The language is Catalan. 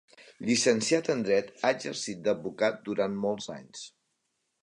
Llicenciat en dret, ha exercit d'advocat durant molts anys.